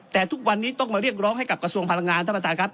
แต่ทุกวันนี้ต้องมาเรียกร้องให้กับกระทรวงพลังงานท่านประธานครับ